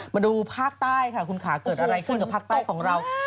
มาดูภาคใต้ค่ะคุณขาเกิดอะไรขึ้นกับภาคใต้ของเรา